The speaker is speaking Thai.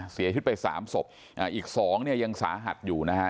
เสียชีวิตไปสามศพอีกสองเนี่ยยังสาหัสอยู่นะฮะ